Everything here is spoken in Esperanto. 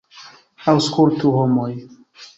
Aŭskultu, homoj!